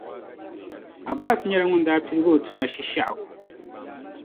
Abbas nyɛla ŋun daa piligi o tuma Shishɛɣu.